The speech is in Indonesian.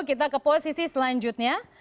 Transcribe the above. kita ke posisi selanjutnya